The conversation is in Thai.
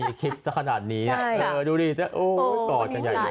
มีคลิปสักขนาดนี้ดูดิกอดกันอย่างเย็น